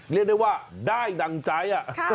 เรียกได้ว่าได้ดั่งใจ